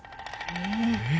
え。